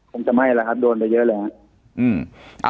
ผมจะไม่เลยครับโดนไปเยอะเลยครับ